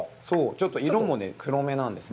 ちょっと色も黒めなんですね。